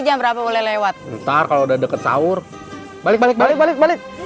jam berapa boleh lewat ntar kalau udah deket sahur balik balik balik